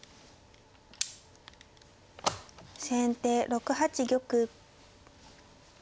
先手６八玉。